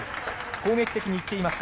攻撃的に行っていますか。